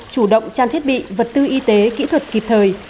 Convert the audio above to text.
chủ động trang thiết bị vật tư y tế kỹ thuật kịp thời